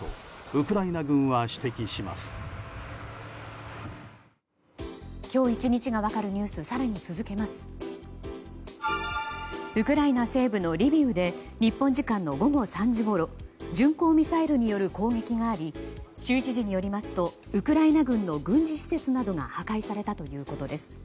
ウクライナ西部のリビウで日本時間の午後３時ごろ巡航ミサイルによる攻撃があり州知事によりますとウクライナ軍の軍事施設などが破壊されたということです。